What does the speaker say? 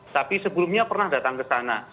tapi sebelumnya pernah datang ke sana